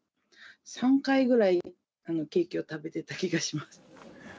３回ぐらいケーキを食べてた気がします。